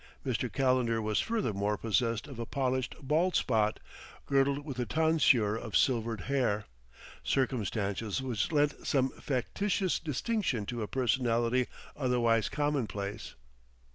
Mr. Calendar was furthermore possessed of a polished bald spot, girdled with a tonsure of silvered hair circumstances which lent some factitious distinction to a personality otherwise commonplace.